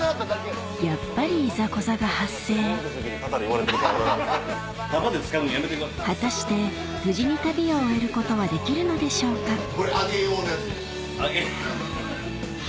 やっぱり果たして無事に旅を終えることはできるのでしょうか？